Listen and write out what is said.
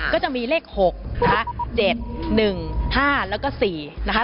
ก็จะมีเลข๖นะคะ๗๑๕แล้วก็๔นะคะ